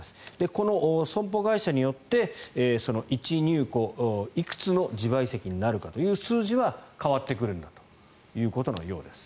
この損保会社によって１入庫いくつの自賠責になるかという数字は変わってくるんだということのようです。